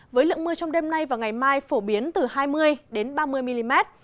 với lượng mưa trong đêm nay và ngày mai phổ biến từ hai mươi ba mươi mm